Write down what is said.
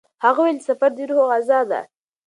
هغه وویل چې سفر د روح غذا ده.